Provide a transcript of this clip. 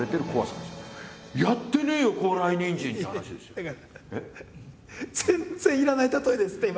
それが全然要らない例えですって今。